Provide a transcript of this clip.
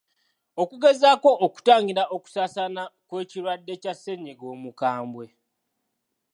okugezaako okutangira okusaasaana kw’ekirwadde kya ssennyiga omukambwe.